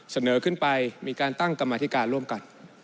เสนอขึ้นไปมีการตั้งกรรมธิการร่วมกัน